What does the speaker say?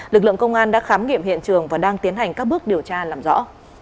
lực lượng công an đã khám nghiệm hiện trường và đang tiến hành các bước điều tra làm rõ